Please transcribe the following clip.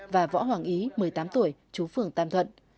và võ hoàng ý một mươi tám tuổi chú phường tam thuận